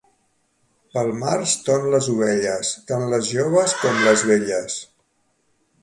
Pel març ton les ovelles, tant les joves com les velles.